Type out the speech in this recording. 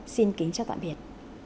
xin kính chào tạm biệt